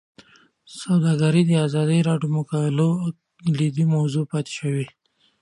سوداګري د ازادي راډیو د مقالو کلیدي موضوع پاتې شوی.